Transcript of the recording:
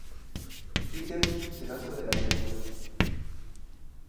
Peter se lanza de la criatura.